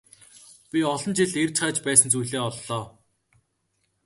Би олон жил эрж хайж байсан зүйлээ оллоо.